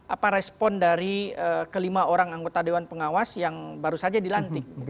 apa respon dari kelima orang anggota dewan pengawas yang baru saja dilantik